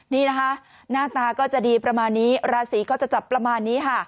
นี่นะคะหน้าตาก็จะดีประมาณนี้ราศีก็จะจับประมาณนี้ค่ะ